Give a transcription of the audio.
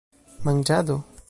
manĝado